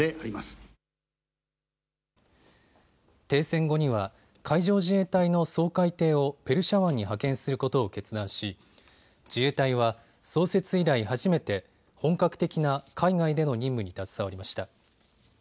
停戦後には海上自衛隊の掃海艇をペルシャ湾に派遣することを決断し自衛隊は創設以来初めて本格的な海外での任務に携わりました。